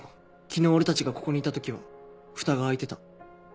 昨日俺たちがここにいた時はふたが開いてた。